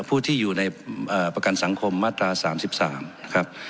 ผู้ที่อยู่ในเอ่อประกันสังคมมาตราสามสิบสามนะครับ